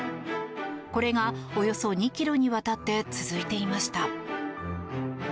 これがおよそ２ｋｍにわたって続いていました。